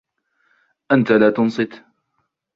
أنت لا تنصت